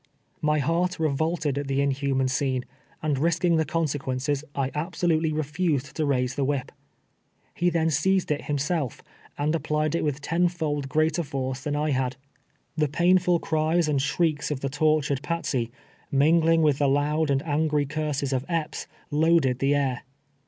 Mj heart revolted at the inhuman scene, and risking the consequences, I absolutely re fused to raise the whip. Pie then seized it himself, and applied it with ten fold greater force than Idiad. The painful cries and shrieks of the tortured Patsey, mingling with the loud and angry curses of Epps, loaded the air.